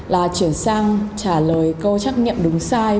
là chuyển sang trả lời câu trách nhiệm đúng sai